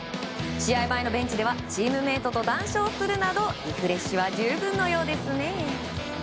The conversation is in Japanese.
試合前のベンチではチームメートと談笑するなどリフレッシュは十分のようですね。